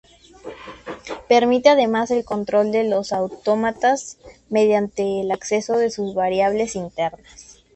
Permite además el control de los autómatas mediante el acceso a sus variables internas.